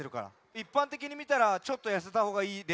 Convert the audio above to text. いっぱんてきにみたらちょっとやせたほうがいいレベルだとおもう。